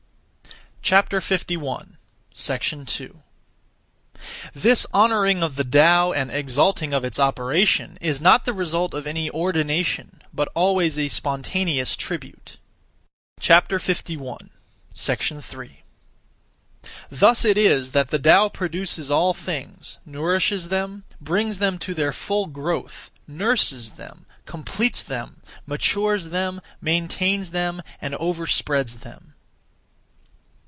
2. This honouring of the Tao and exalting of its operation is not the result of any ordination, but always a spontaneous tribute. 3. Thus it is that the Tao produces (all things), nourishes them, brings them to their full growth, nurses them, completes them, matures them, maintains them, and overspreads them.